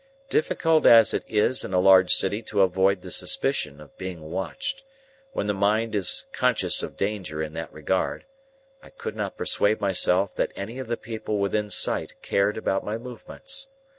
Difficult as it is in a large city to avoid the suspicion of being watched, when the mind is conscious of danger in that regard, I could not persuade myself that any of the people within sight cared about my movements.